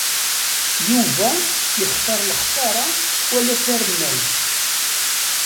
Yuba yextar lexsara wala tarennawt.